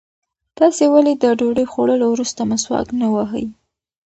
تاسې ولې د ډوډۍ خوړلو وروسته مسواک نه وهئ؟